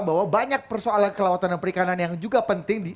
bahwa banyak persoalan kelautan dan perikanan yang juga penting